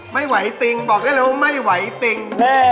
ไม่ไหวติงบอกได้เลยว่าไม่ไหวติง